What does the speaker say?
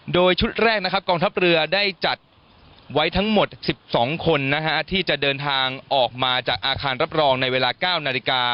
โดยชุดแรกนะครับกองทัพเรือได้จัดไว้ทั้งหมด๑๒คนที่จะเดินทางออกมาจากอาคารรับรองในเวลา๙นาฬิกา